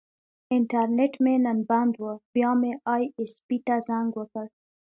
انټرنیټ مې نن بند و، بیا مې ائ ایس پي ته زنګ وکړ.